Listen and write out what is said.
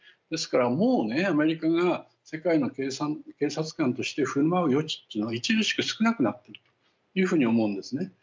ですからもうアメリカが世界の警察官としてふるまう余地っていうのは著しく少なくなっているというふうに思うんですね。